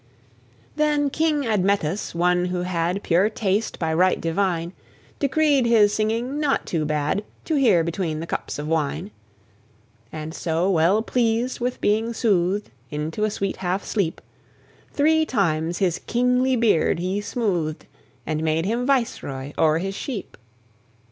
Then King Admetus, one who had Pure taste by right divine, Decreed his singing not too bad To hear between the cups of wine: And so, well pleased with being soothed Into a sweet half sleep, Three times his kingly beard he smoothed, And made him viceroy o'er his sheep.